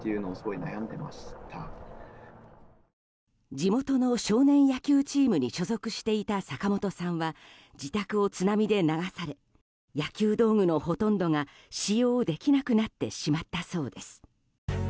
地元の少年野球チームに所属していた坂本さんは自宅を津波で流され野球道具のほとんどが使用できなくなってしまったそうです。